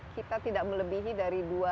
kita tidak melebihi dari